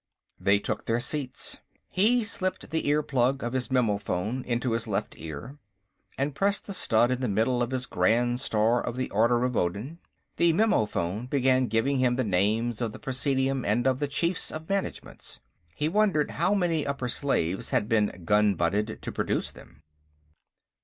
They took their seats. He slipped the earplug of his memophone into his left ear and pressed the stud in the middle of his Grand Star of the Order of Odin. The memophone began giving him the names of the Presidium and of the Chiefs of Managements. He wondered how many upper slaves had been gunbutted to produce them.